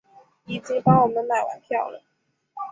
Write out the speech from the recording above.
已经帮我们买完票了